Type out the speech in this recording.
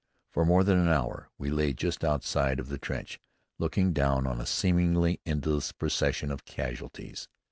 For more than an hour we lay just outside of the trench looking down on a seemingly endless procession of casualties.